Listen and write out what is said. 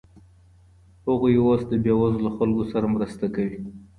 هغوی اوس د بېوزلو خلګو سره مرسته کوي.